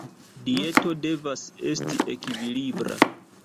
Dieto devas esti ekvilibra.